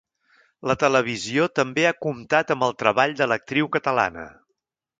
La televisió també ha comptat amb el treball de l’actriu catalana.